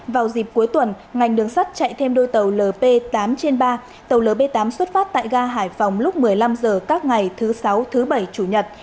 vào dịp cuối tuần ngành đường sắt chạy thêm đôi tàu lp tám trên ba tàu lp tám xuất phát tại ga hải phòng lúc một mươi năm h các ngày thứ sáu thứ bảy chủ nhật